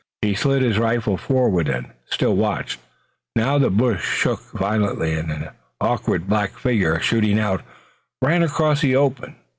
He slid his rifle forward and still watched. Now the bush shook violently, and an awkward black figure, shooting out, ran across the open.